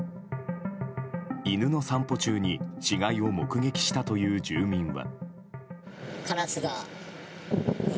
犬の散歩中に死骸を目撃したという住民は。